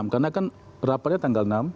karena kan rapatnya tanggal enam